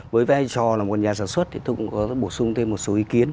với vai trò là một nhà sản xuất thì tôi cũng có bổ sung thêm một số ý kiến